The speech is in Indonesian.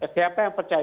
siapa yang percaya